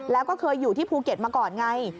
แล้วก็เคยอยู่ที่ภูเก็ตมาก่อนไง